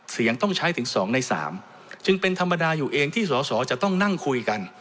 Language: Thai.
เสียงต้องใช้ถึง๒ใน๓จึงเป็นธรรมดาอยู่เองที่สอสอจะต้องนั่งคุยกัน